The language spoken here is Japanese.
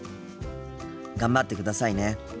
頑張ってくださいね。